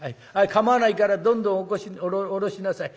構わないからどんどん下ろしなさい。